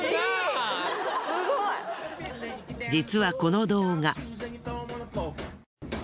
実はこの動画。